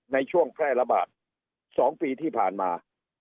ในช่วงแพร่ระบาด๒ปีที่ผ่านมา